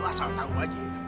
lu asal tahu aji